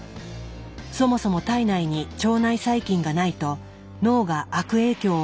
そもそも体内に腸内細菌がないと脳が悪影響を受けるという。